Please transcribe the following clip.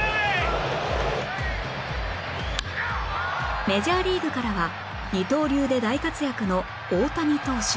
メジャーリーグからは二刀流で大活躍の大谷投手